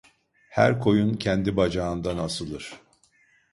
Her koyun kendi bacağından asılır.